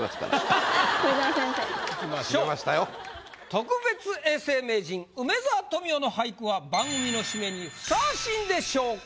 特別永世名人梅沢富美男の俳句は番組の締めにふさわしいんでしょうか